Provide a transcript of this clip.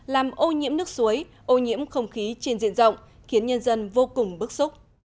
làm ô nhiễm nước suối ô nhiễm không khí trên diện rộng khiến nhân dân vô cùng bức xúc